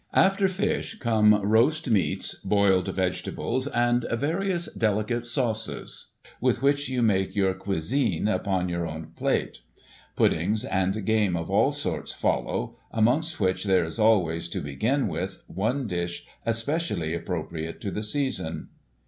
After fish, come rosist meats, boiled vegetables, and various delicate sauces, with which you make your cuisine upon your own plate ; puddings and game of all sorts follow, amongst which there is, always, to begin with, one dish, especially appropriate to the season.